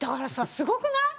すごくない？